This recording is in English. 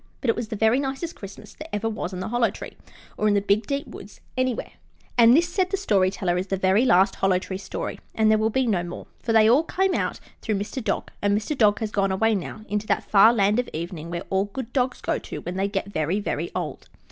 But it was the very nicest Christmas that ever was in the Hollow Tree, or in the Big Deep Woods anywhere. And this, said the Story Teller, is the very last Hollow Tree story, and there will be no more, for they all came out through Mr. Dog, and Mr. Dog has gone away now into that Far Land of Evening where all good dogs go to when they get very, very old.